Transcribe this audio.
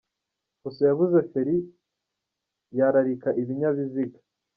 Fuso yabuze feri yararika ibinyabiziga